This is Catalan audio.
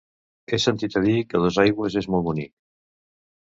He sentit a dir que Dosaigües és molt bonic.